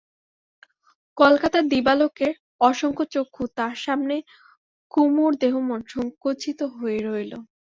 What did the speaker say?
কলকাতার দিবালোকের অসংখ্য চক্ষু, তার সামনে কুমুর দেহমন সংকুচিত হয়ে রইল।